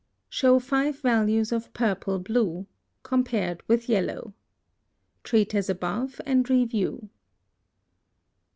Show FIVE VALUES of PURPLE BLUE compared with Yellow. Treat as above and review.